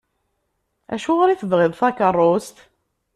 Acuɣer i tebɣiḍ takerrust?